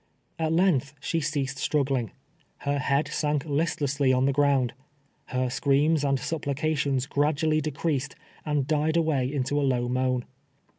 At length she ceased struggling. Her head sank listlessly on the ground. Her screams and supplications gradually decreased and died away into a low moan.